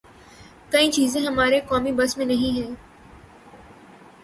کئی چیزیں ہمارے قومی بس میں نہیں ہیں۔